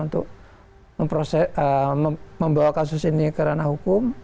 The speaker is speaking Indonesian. untuk membawa kasus ini ke ranah hukum